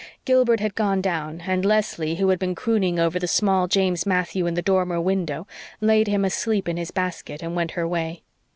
Gilbert had gone down and Leslie, who had been crooning over the small James Matthew in the dormer window, laid him asleep in his basket and went her way.